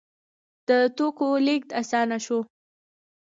د توکو لیږد اسانه شو.